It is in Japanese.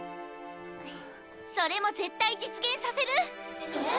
それも絶対実現させる！え？